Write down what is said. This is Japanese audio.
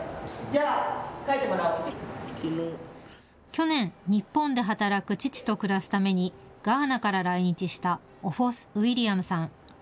去年、日本で働く父と暮らすためにガーナから来日したオフォス・ウィリアムさん。